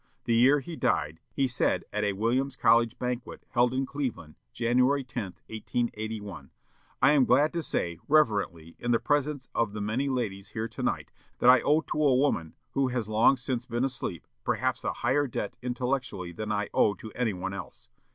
The year he died, he said at a Williams College banquet held in Cleveland, January 10, 1881: "I am glad to say, reverently, in the presence of the many ladies here to night, that I owe to a woman, who has long since been asleep, perhaps a higher debt intellectually than I owe to any one else.